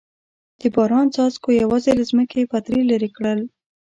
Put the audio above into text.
د باران څاڅکو یوازې له ځمکې پتري لرې کړل.